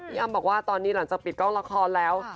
อำบอกว่าตอนนี้หลังจากปิดกล้องละครแล้ว